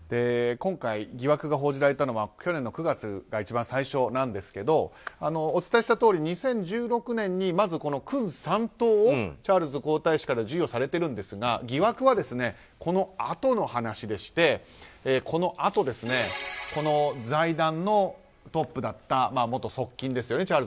今回、疑惑が報じられたのは去年の９月が一番最初ですがお伝えしたとおり２０１６年にまず勲三等をチャールズ皇太子から授与されているんですが疑惑は、このあとの話でしてこのあと財団のトップだった元側近ですよね。